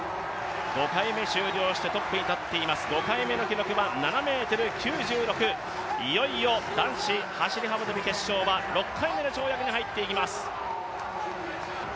５回目終了してトップに立っています、５回目の記録は７ｍ９６、いよいよ男子走幅跳は６回目の跳躍に入っていきます。